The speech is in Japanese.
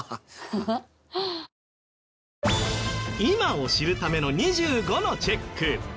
今を知るための２５のチェック。